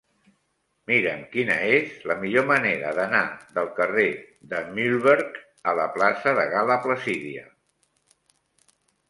Mira'm quina és la millor manera d'anar del carrer de Mühlberg a la plaça de Gal·la Placídia.